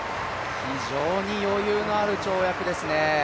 非常に余裕のある跳躍ですね。